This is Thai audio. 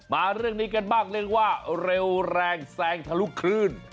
มาเรื่องนี้กันบ้างเรียกว่าเร็วแรงแซงทะลุคลื่น